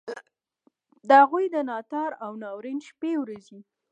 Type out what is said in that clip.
د هغوی د ناتار او ناورین شپې ورځي.